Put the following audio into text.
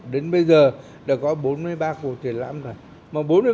đến bây giờ đã có bốn mươi ba cuộc triển lãm rồi